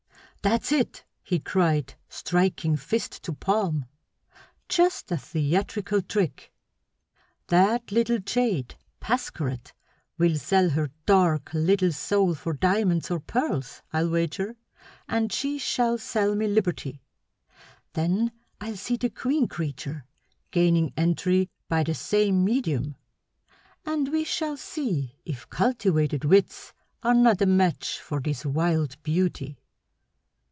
"That's it!" he cried, striking fist to palm. "Just a theatrical trick. That little jade, Pascherette, will sell her dark little soul for diamonds or pearls, I'll wager, and she shall sell me liberty. Then I'll see the queen creature, gaining entry by the same medium, and we shall see if cultivated wits are not a match for this wild beauty."